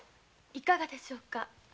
いかがでしょうか？